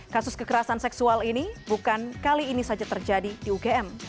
kasus kekerasan seksual ini bukan kali ini saja terjadi di ugm